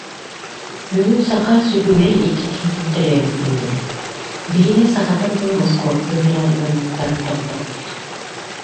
Бүгүн саха сүгүрүйэр икки киһитин төрөөбүт күннэрэ. Биирэ сахатын тылын оскуолаттан үүрээри гыммыттарын тохтоппут